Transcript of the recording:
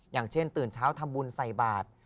อย่างเช่นตื่นเช้าทำบุญใส่บาท